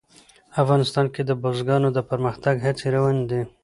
افغانستان کې د بزګانو د پرمختګ هڅې روانې دي.